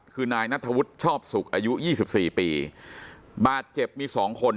คือนายนัทธวุฒิชอบสุขอายุยี่สิบสี่ปีบาดเจ็บมีสองคน